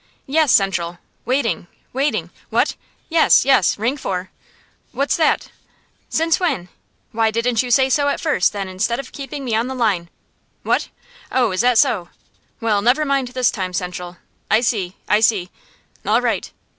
"Yes, Central; waiting, waiting What? Yes, yes; ring four What's that? Since when? Why didn't you say so at first, then, instead of keeping me on the line What? Oh, is that so? Well, never mind this time, Central. I see, I see. All right."